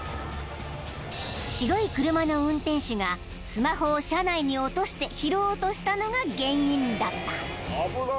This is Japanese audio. ［白い車の運転手がスマホを車内に落として拾おうとしたのが原因だった］